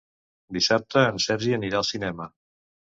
Dissabte en Sergi anirà al cinema.